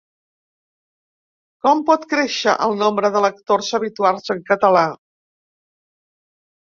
Com pot créixer el nombre de lectors habituals en català?